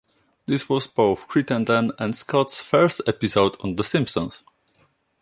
This was both Crittenden and Scott's first episode on "The Simpsons".